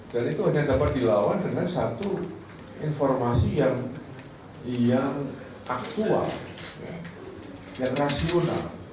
dan itu hanya dapat dilawan dengan satu informasi yang aktual yang rasional